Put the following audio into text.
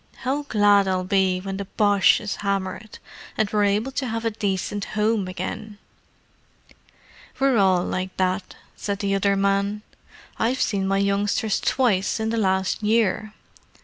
how glad I'll be when the Boche is hammered and we're able to have a decent home again!" "We're all like that," said the other man. "I've seen my youngsters twice in the last year."